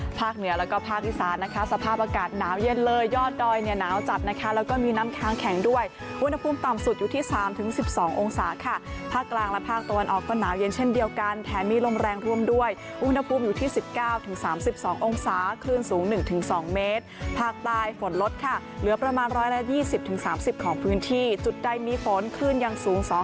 ภาคเหนือและภาคอีสานสภาพอากาศหนาวเย็นเลยยอดดอยเหนือหนาวจัดนะคะและมีน้ำค้างแข็งด้วยอุณหภูมิต่อมสุดอยู่ที่๓๑๒องศาค่ะภาคกลางและภาคตัวอันออกก็หนาวเย็นเช่นเดียวกันแถมมีลมแรงร่วมด้วยอุณหภูมิอยู่ที่๑๙๓๒องศาคลื่นสูง๑๒เมตรภาคใต้ฝนลดค่ะเหลือประมาณ๑๒๐๓๐อง